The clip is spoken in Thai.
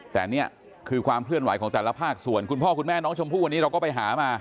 แต่นี่คือความเคลื่อนไหวของแต่ละภาคส่วนคุณพ่อคุณแม่น้องชมพู่วันนี้เราก็ไปหามา